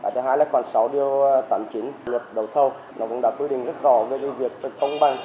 tại đây khoản sáu điều tạm chính lực đầu thâu cũng đã quyết định rất rõ về việc công bằng